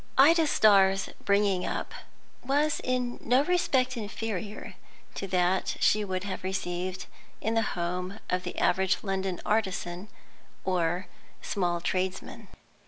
Ida Starr's bringing up was in no respect inferior to that she would have received in the home of the average London artisan or small tradesman.